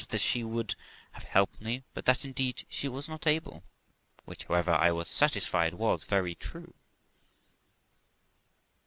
that she would have helped me, but that, indeed, she was not able, which, however, I was satisfied was very true.